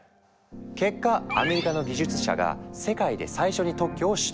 結果アメリカの技術者が世界で最初に特許を取得。